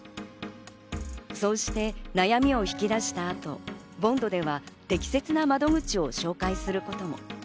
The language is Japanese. そうして悩みを引き出した後、ＢＯＮＤでは適切な窓口を紹介することも。